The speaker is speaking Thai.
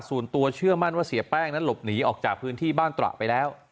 ส่วนตัวเชื่อมั่นว่าเสียแป้งนั้นหลบหนีออกจากพื้นที่บ้านตระไปแล้ว